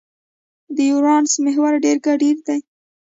د یورانوس محور ډېر کډېر دی.